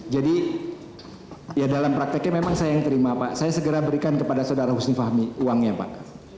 jadi ya dalam prakteknya memang saya yang terima pak saya segera berikan kepada saudara husni fahmi uangnya pak